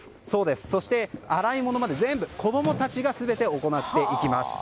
そして洗い物まで子供たちが全て行っていきます。